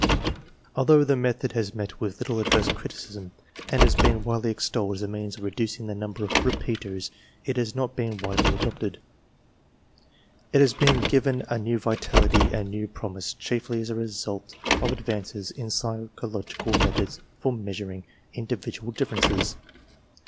Although the method has met with little adverse criticism and has been widely extolled as a means of reducing the number of "repeaters," itjias not been widely adopted/ It has been given new vitality and new promise chiefly as a result of advances in psychological methods for measur ing individual differences.